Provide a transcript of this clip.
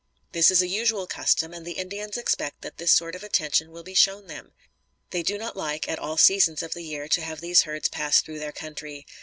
This is a usual custom, and the Indians expect that this sort of attention will be shown them. They do not like, at all seasons of the year, to have these herds pass through their country.